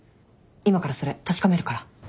今からそれ確かめるから。